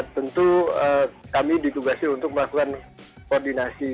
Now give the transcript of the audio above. tentu kami ditugasi untuk melakukan koordinasi